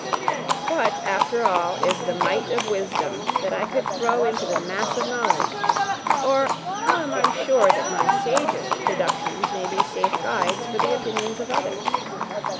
What, after all, is the mite of wisdom that I could throw into the mass of knowledge? or how am I sure that my sagest deductions may be safe guides for the opinions of others?